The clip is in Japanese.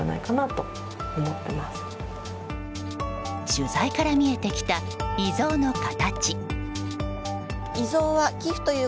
取材から見えてきた遺贈の形。